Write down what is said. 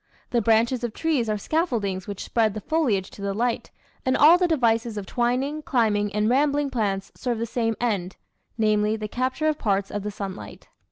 The branches of trees are scaffoldings which spread the foliage to the light, and all the devices of twining, climbing, and rambling plants serve the same end namely, the capture of parts of the sunlight.